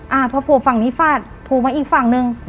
เอาพอฝาดในฝากนี้ฝาดฝาดอีกฝั่งหนึ่ง